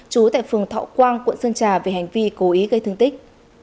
chú tại phường thọ quang quận sơn trà về hành vi cố ý gây thương tích